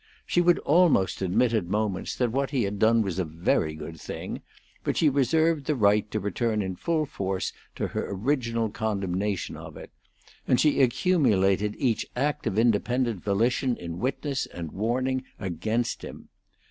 She would almost admit at moments that what he had done was a very good thing, but she reserved the right to return in full force to her original condemnation of it; and she accumulated each act of independent volition in witness and warning against him.